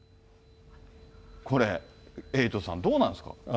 これ、エイトさん、どうなんですか？